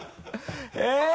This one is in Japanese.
えっ？